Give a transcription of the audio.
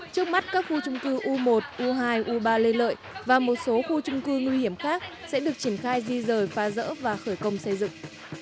trước mắt các khu trung cư u một u hai u ba lê lợi và một số khu trung cư nguy hiểm khác sẽ được triển khai di rời phá rỡ và khởi công xây dựng